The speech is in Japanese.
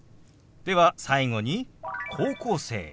では最後に「高校生」。